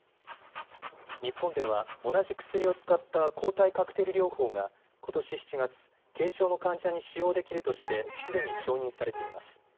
日本では同じ薬を使った抗体カクテル療法がことし７月、軽症の患者に使用できるとしてすでに承認されています。